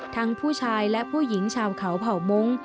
ทั้งผู้ชายและผู้หญิงชาวเขาเผ่ามงค์